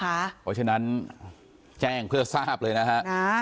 เพราะฉะนั้นแจ้งเพื่อทราบเลยนะฮะ